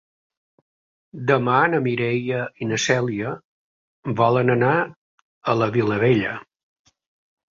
Demà na Mireia i na Cèlia volen anar a la Vilavella.